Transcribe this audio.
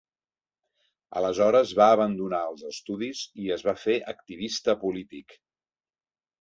Aleshores va abandonar els estudis i es va fer activista polític.